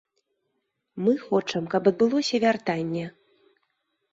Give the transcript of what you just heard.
Мы хочам, каб адбылося вяртанне.